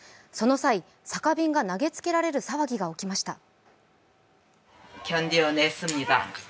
その際、酒瓶が投げつけられる騒ぎが起きました。